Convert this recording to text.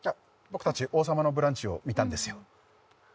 僕たち「王様のブランチ」を見たんですよ